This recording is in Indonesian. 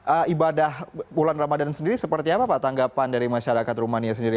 nah ibadah bulan ramadan sendiri seperti apa pak tanggapan dari masyarakat rumania sendiri